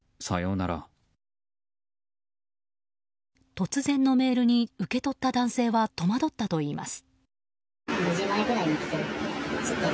突然のメールに受け取った男性は戸惑ったといいます。